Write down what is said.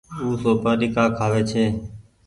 او سوپآري ڪآ کآوي ڇي۔